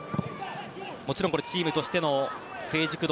もちろんチームとしての成熟度